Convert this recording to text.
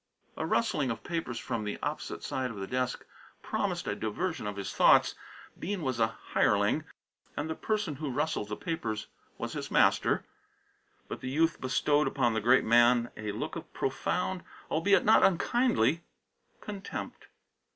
_" A rustling of papers from the opposite side of the desk promised a diversion of his thoughts. Bean was a hireling and the person who rustled the papers was his master, but the youth bestowed upon the great man a look of profound, albeit not unkindly, contempt.